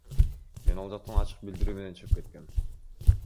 Мен ал жактан ачык билдирүү менен чыгып кеткем.